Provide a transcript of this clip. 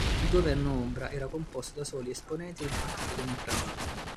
Il governo ombra era composto da soli esponenti del Partito Democratico.